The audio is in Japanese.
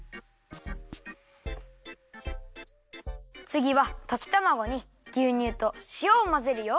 つぎはときたまごにぎゅうにゅうとしおをまぜるよ。